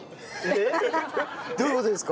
えっどういう事ですか？